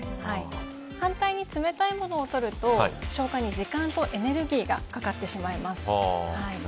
反対に冷たいものを取ると消化に時間とエネルギーがかかってしまいます。